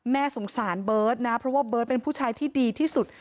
สงสารเบิร์ตนะเพราะว่าเบิร์ตเป็นผู้ชายที่ดีที่สุด